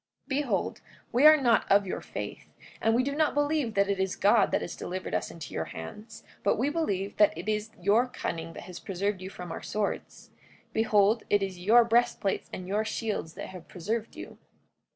44:9 Behold, we are not of your faith; we do not believe that it is God that has delivered us into your hands; but we believe that it is your cunning that has preserved you from our swords. Behold, it is your breastplates and your shields that have preserved you.